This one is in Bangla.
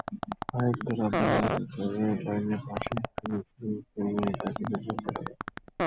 হায়দরাবাদ এলাকার রেললাইনের পাশে একটু নিচু জমিতে নিয়ে তাঁকে বেধড়ক পেটানো হয়।